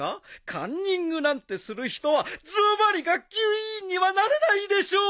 カンニングなんてする人はズバリ学級委員にはなれないでしょう！